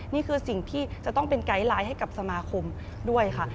นี่คือสิ่งที่จะต้องเป็นไกด์ไลน์ให้กับสมาคมด้วยค่ะ